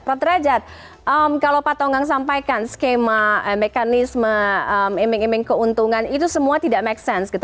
prof drajat kalau pak tonggang sampaikan skema mekanisme keuntungan itu semua tidak make sense